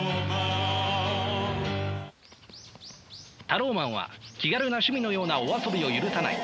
タローマンは気軽な趣味のようなお遊びを許さない。